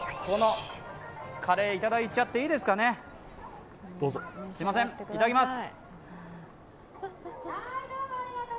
カレー、いただいちゃっていいですかね、すいません、いただきます！